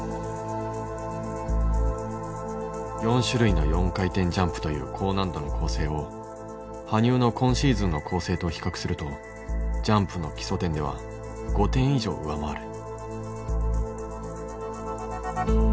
４種類の４回転ジャンプという高難度の構成を羽生の今シーズンの構成と比較するとジャンプの基礎点では５点以上上回る。